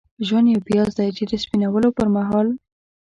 ژوند یو پیاز دی چې د سپینولو پرمهال.